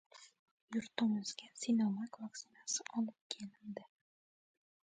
Yurtimizga “Sinovak” vaksinasi olib kelindi